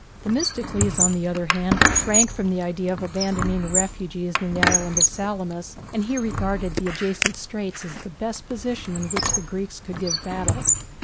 Themistocles, on the other hand, shrank from the idea of abandoning the refugees in the island of Salamis, and he regarded the adjacent straits as the best position in which the Greeks could give battle.